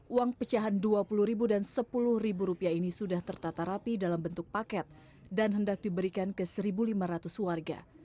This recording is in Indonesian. uang pecahan dua puluh dan rp sepuluh ini sudah tertata rapi dalam bentuk paket dan hendak diberikan ke satu lima ratus warga